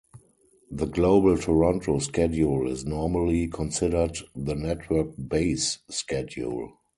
The Global Toronto schedule is normally considered the network "base" schedule.